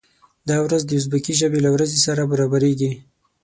دا ورځ د ازبکي ژبې له ورځې سره برابریږي.